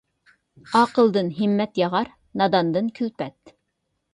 ئاقىلدىن ھىممەت ياغار، ناداندىن كۈلپەت.